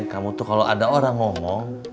kamu tuh kalau ada orang mau beli kamu aja jual